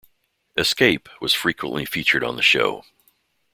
Escape, was frequently featured on the show.